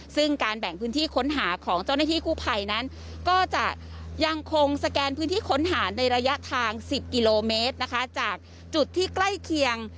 ซึ่งการแบ่งพื้นที่ค้นหาของเจ้าหน้าที่กู้ภัยนั้นก็จะยังคงสแกนพื้นที่ค้นหาในระยะทาง๑๐กิโลเมตรนะคะจากจุดที่ใกล้เคียง